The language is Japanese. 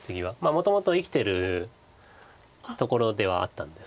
もともと生きてるところではあったんです。